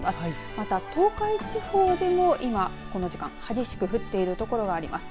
また、東海地方でも今この時間激しく降っている所があります。